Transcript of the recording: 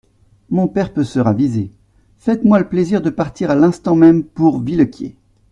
Mon père peut se raviser ; faites-moi le plaisir de partir à l'instant même pour Villequier.